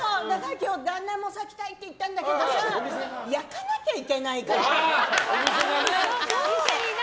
今日、旦那先帰っていったんだけどさ焼かなきゃいけないから。